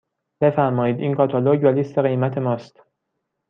بفرمایید این کاتالوگ و لیست قیمت ماست.